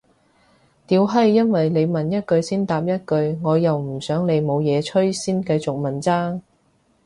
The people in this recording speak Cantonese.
屌係因為你問一句先答一句我又唔想你冇嘢吹先繼續問咋